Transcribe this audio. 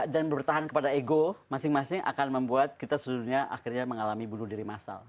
dan bertahan kepada ego masing masing akan membuat kita seluruh dunia akhirnya mengalami bunuh diri massal